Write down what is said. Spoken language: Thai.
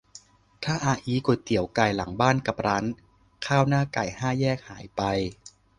ถ้าอาอี้ก๋วยเตี๋ยวไก่หลังบ้านกับร้านข้าวหน้าไก่ห้าแยกหายไป